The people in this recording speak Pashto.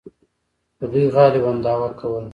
خو دوی غالباً دعوا کوله.